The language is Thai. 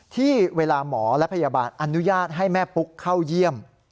ที่เวลาหมอและพยาบาลอนุญาตให้แม่ปุ๊กเข้าเยี่ยม